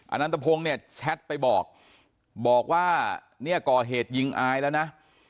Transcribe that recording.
นันตพงศ์เนี่ยแชทไปบอกบอกว่าเนี่ยก่อเหตุยิงอายแล้วนะ